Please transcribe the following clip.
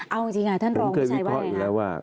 เอาจริงอ่ะท่านรองคุณชัยว่าอย่างไรนะผมเคยวิเคราะห์อยู่แล้วว่า